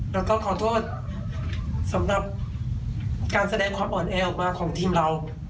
แล้วก็ขอโทษสำหรับการแสดงความอ่อนแอออกมาของทีมเรา